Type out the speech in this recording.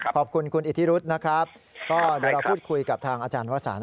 ขอบคุณคุณอิทธิรุธนะครับก็เดี๋ยวเราพูดคุยกับทางอาจารย์วสัน